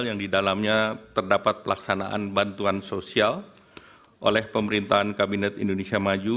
yang di dalamnya terdapat pelaksanaan bantuan sosial oleh pemerintahan kabinet indonesia maju